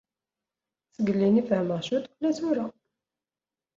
Sgellin i fehmeɣ cwiṭ wala tura.